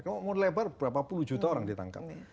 kalau mau lebar berapa puluh juta orang ditangkap